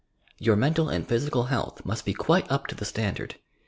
Tour mental and physieal health must be quite up to the standard.